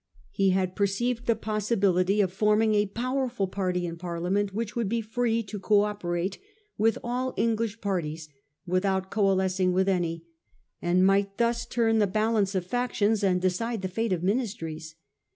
He had perceived the possibility of forming a powerful party in Parliament, which would be free to co operate with all English parties without coalescing with any, and might thus turn the balance of factions and decide the fate •of Ministries.